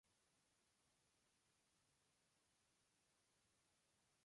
Forma parte de la ciudad romana de Complutum.